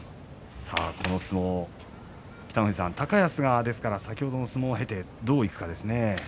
高安が先ほどの相撲を経てどういくかですね。